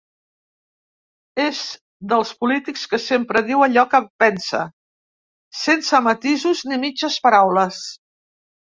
És dels polítics que sempre diu allò que pensa, sense matisos ni mitges paraules.